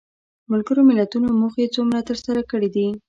ملګرو ملتونو موخې څومره تر سره کړې دي؟